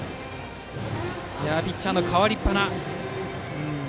ピッチャーの代わりっぱな。